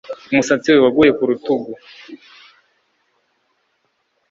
Umusatsi we waguye ku rutugu